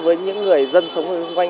với những người dân sống xung quanh